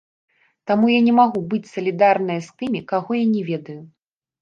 Таму я не магу быць салідарная з тымі, каго я не ведаю.